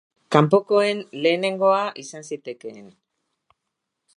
Kanpokoen lehenengoa izan zitekeen.